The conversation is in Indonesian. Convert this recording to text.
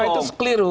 karena itu sekeliru